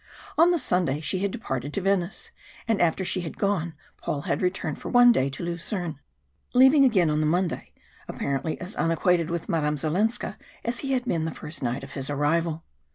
On the Sunday she had departed to Venice, and after she had gone, Paul had returned for one day to Lucerne, leaving again on the Monday, apparently as unacquainted with Madame Zalenska as he had been the first night of his arrival.